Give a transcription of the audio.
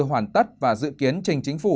hoàn tất và dự kiến trình chính phủ